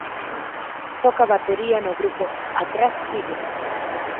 Toca a batería no grupo Atrás Tigre.